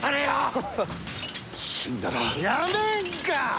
やめんか！